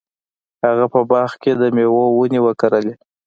هغه په باغ کې د میوو ونې وکرلې.